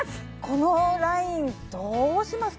このラインどうします